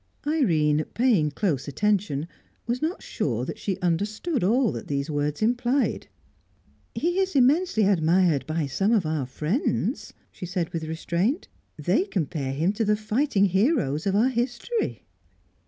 Irene, paying close attention, was not sure that she understood all that these words implied. "He is immensely admired by some of our friends," she said with restraint. "They compare him to the fighting heroes of our history."